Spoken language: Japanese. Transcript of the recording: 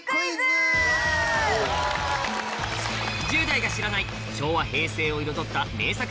１０代が知らない昭和平成を彩った名作